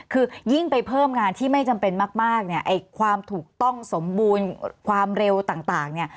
คือยิ่งไปเพิ่มงานที่ไม่จำเป็นมากความถูกต้องสมบูรณ์ความเร็วต่าง